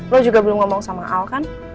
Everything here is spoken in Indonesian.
lo juga belum ngomong sama al kan